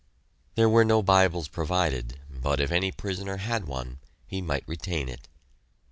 There were no Bibles provided, but if any prisoner had one, he might retain it.